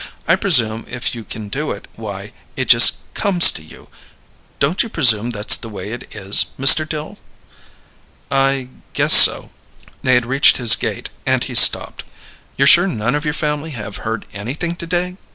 I presume if you can do it, why, it just comes to you. Don't you presume that's the way it is, Mr. Dill?" "I guess so." They had reached his gate, and he stopped. "You're sure none of your family have heard anything to day?"